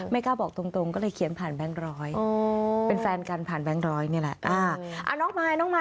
กล้าบอกตรงก็เลยเขียนผ่านแบงค์ร้อยเป็นแฟนกันผ่านแบงค์ร้อยนี่แหละ